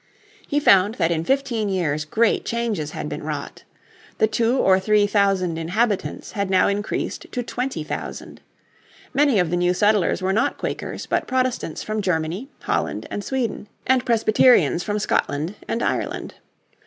He found that in fifteen years great changes had been wrought. The two or three thousand inhabitants had now increased to twenty thousand. Many of the new settlers were not Quakers but Protestants from Germany, Holland and Sweden, and Presbyterians from Scotland and Ireland.